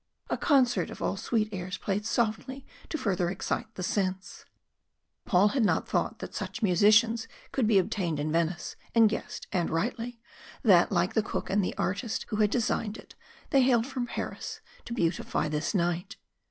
A concert of all sweet airs played softly to further excite the sense. Paul had not thought such musicians could be obtained in Venice, and guessed, and rightly, that, like the cook and the artist who had designed it, they hailed from Paris, to beautify this night.